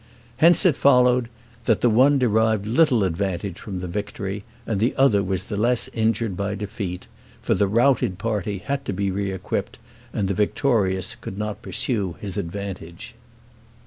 Hence it followed, that the one derived little advantage from the victory, and the other was the less injured by defeat; for the routed party had to be re equipped, and the victorious could not pursue his advantage.